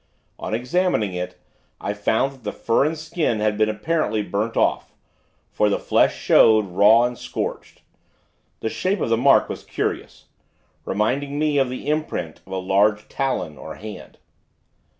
On examining it, I found, that the fur and skin had been apparently, burnt off; for the flesh showed, raw and scorched. The shape of the mark was curious, reminding me of the imprint of a large talon or hand.